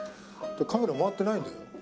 カメラ回ってないんだよ？